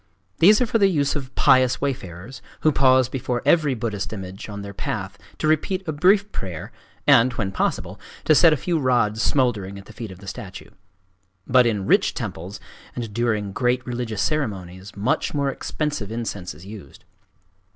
These are for the use of pious wayfarers, who pause before every Buddhist image on their path to repeat a brief prayer and, when possible, to set a few rods smouldering at the feet of the statue. But in rich temples, and during great religious ceremonies, much more expensive incense is used.